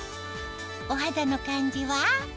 お肌の感じは？